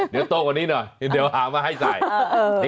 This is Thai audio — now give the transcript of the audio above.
เดี๋ยวโตกว่านี้หน่อยเดี๋ยวหามาให้ใส่